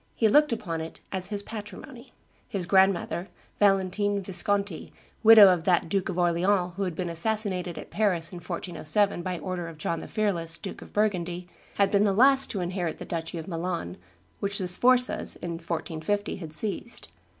He looked upon it as his patrimony. His grandmother, Valentine Visconti, widow of that Duke of Orleans who had been assassinated at Paris in 1407 by order of John the Fearless, Duke of Burgundy, had been the last to inherit the duchy of Milan, which the Sforzas, in 1450, had seized.